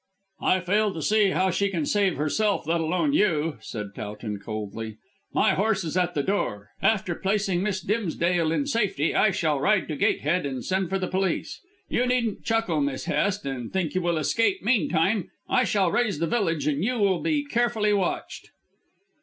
"I fail to see how she can save herself, let alone you," said Towton coldly. "My horse is at the door. After placing Miss Dimsdale in safety I shall ride to Gatehead and send for the police. You needn't chuckle, Miss Hest, and think you will escape meantime. I shall raise the village and you will be carefully watched."